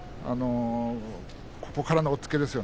ここからの押っつけ